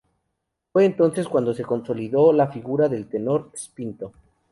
Fue entonces cuando se consolidó la figura del tenor "spinto".